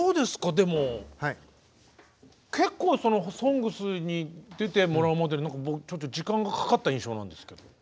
でも結構その「ＳＯＮＧＳ」に出てもらうまでちょっと時間がかかった印象なんですけど。